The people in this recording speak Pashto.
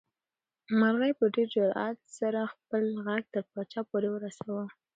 مرغۍ په ډېر جرئت سره خپل غږ تر پاچا پورې ورساوه.